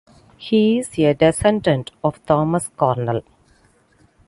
He is a descendant of Thomas Cornell.